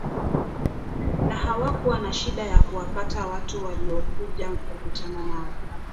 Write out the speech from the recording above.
na hawakuwa na shida ya kuwapata watu waliokuja kukutana nao